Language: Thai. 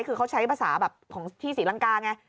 คือเขาใช้ภาษาแบบของที่ศรีลังกาไง